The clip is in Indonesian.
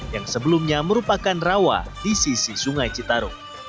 yang sebelumnya merupakan rawa di sisi sungai citarum